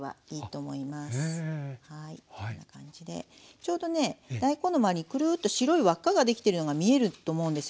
ちょうどね大根の周りにくるっと白い輪っかができているのが見えると思うんですよ